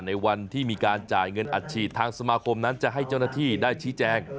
ในวันที่มีการจ่ายเงินอัดฉีดทางสมาคมนั้นจะให้เจ้าหน้าที่ได้ชี้แจง